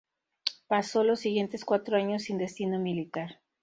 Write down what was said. Pasó los siguientes cuatro años sin destino militar.